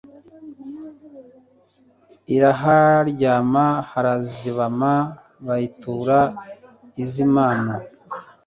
Iraharyama harazibama Bayitura izimano